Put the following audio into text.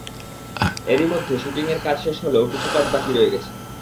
এরই মধ্যে শুটিংয়ের কাজ শেষ হলেও কিছু কাজ বাকি রয়ে গেছে।